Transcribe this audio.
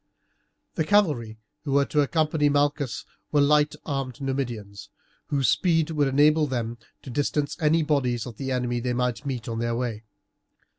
The cavalry who were to accompany Malchus were light armed Numidians, whose speed would enable them to distance any bodies of the enemy they might meet on their way.